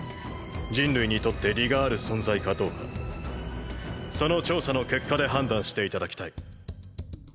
人類にとって利がある存在かどうかその調査の結果で判断して頂きたい。